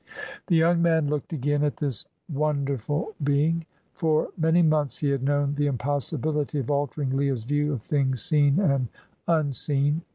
The young man looked again at this wonderful being. For many months he had known the impossibility of altering Leah's view of things seen and unseen.